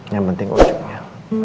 yang penting ujungnya